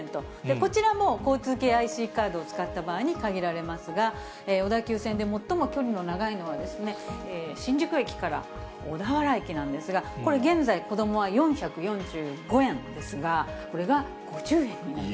こちらも交通系ＩＣカードを使った場合に限られますが、小田急線で最も距離の長いのは、新宿駅から小田原駅なんですが、これ現在、子どもは４４５円ですが、これが５０円になると。